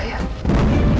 gak usah lagi